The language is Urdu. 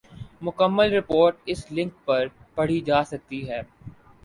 مکمل رپورٹ اس لنک پر پڑھی جا سکتی ہے ۔